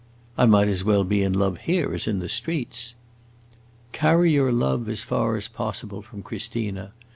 "I might as well be in love here as in the streets." "Carry your love as far as possible from Christina.